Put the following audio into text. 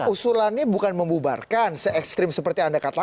usulannya bukan membubarkan se ekstrim seperti anda katakan